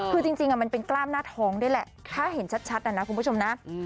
คือจริงมันเป็นกล้ามหน้าท้องด้วยแหละถ้าเห็นชัดนะคุณผู้ชมนะ